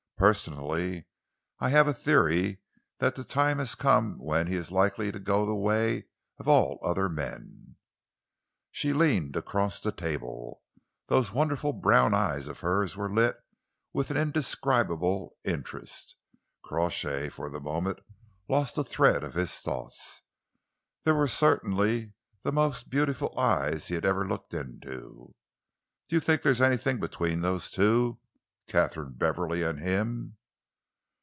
Personally, I have a theory that the time has come when he is likely to go the way of all other men." She leaned across the table. Those wonderful brown eyes of hers were lit with an indescribable interest. Crawshay for a moment lost the thread of his thoughts. They were certainly the most beautiful eyes he had ever looked into. "You think there is anything between those two Katharine Beverley and him?"